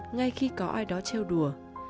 ngay khi có ai đó treo đùa